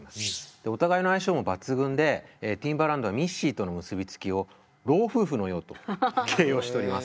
でお互いの相性も抜群でティンバランドはミッシーとの結び付きを老夫婦のようと形容しております。